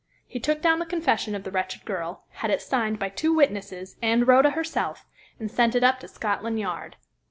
He took down the confession of the wretched girl, had it signed by two witnesses and Rhoda herself, and sent it up to Scotland Yard."